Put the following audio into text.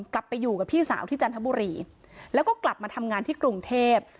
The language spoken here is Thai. กลับไปอยู่กับพี่สาวที่จันทบุรีแล้วก็กลับมาทำงานที่กรุงเทพ